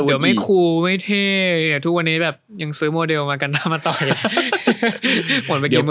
เดี๋ยวไม่คลูไม่เท่ทุกวันนี้ยังซื้อโมเดลมากันมาต่ออย่างนี้